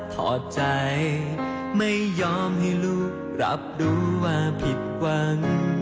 ขอให้เขาหายกลับมาอยู่กับพวกเรา